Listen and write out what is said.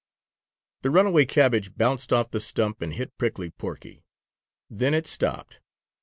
The runaway cabbage bounced off the stump and hit Prickly Porky. Then it stopped.